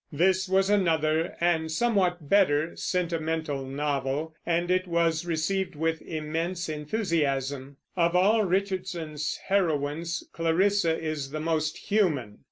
This was another, and somewhat better, sentimental novel; and it was received with immense enthusiasm. Of all Richardson's heroines Clarissa is the most human.